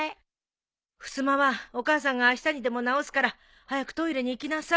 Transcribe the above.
ふすまはお母さんがあしたにでも直すから早くトイレに行きなさい。